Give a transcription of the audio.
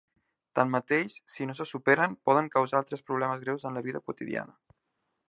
Tanmateix, si no se superen, poden causar altres problemes greus en la vida quotidiana.